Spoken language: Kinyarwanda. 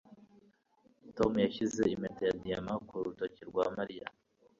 Tom yashyize impeta ya diyama ku rutoki rwa Mariya